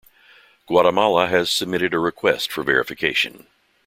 Guatemala has submitted a request for verification.